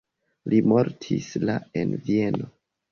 Li mortis la en Vieno.